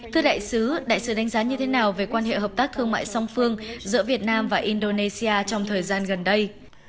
thưa đại sứ đại sứ đánh giá như thế nào về quan hệ hợp tác thương mại song phương giữa việt nam và indonesia trong thời gian gần đây